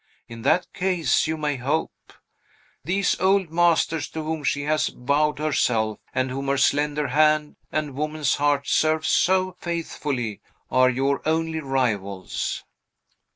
In that case you may hope. These old masters to whom she has vowed herself, and whom her slender hand and woman's heart serve so faithfully, are your only rivals."